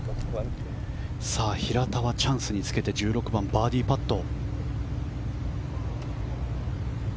平田はチャンスにつけて１６番、バーディーパット。